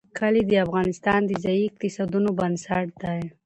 کلي د افغانستان د ځایي اقتصادونو بنسټ دی.